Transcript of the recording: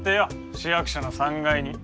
市役所の３階に。